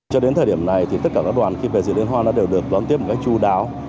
cho đến thời điểm này thì tất cả các đoàn khi về dự liên hoan đã đều được đón tiếp một cách chú đáo